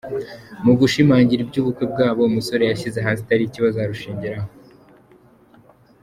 Mu gushimangira iby’ubukwe bwabo, umusore yashyize hanze itariki bazarushingiraho.